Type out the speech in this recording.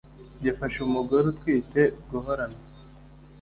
gifasha umugore utwite guhorana